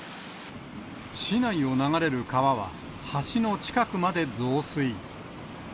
市内を流れる川は、橋の近くまで増水。